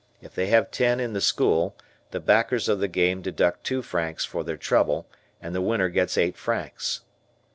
If they have ten in the school, the backers of the game deduct two francs for their trouble and the winner gets eight francs.